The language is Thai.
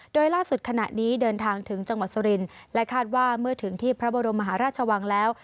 โดยล่าสุดขณะนี้เดินทางถึงจังหวัดสุรินทร์และคาดว่าเมื่อถึงที่พระบรมมหาราชวังแล้ว